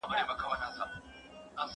زه پرون د کتابتون لپاره کار وکړل!